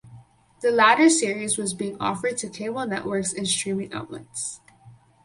The latter series was being offered to cable networks and streaming outlets.